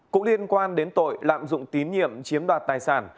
cũng liên quan đến tội lạm dụng tín nhiệm chiếm đoạt tài sản